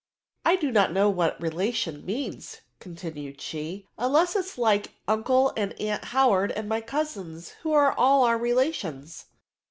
'^ I do not know what relation means,"* con tinued she, *^ imless it is like uncle and aunt Howard and my cousins^ who are all our relations.''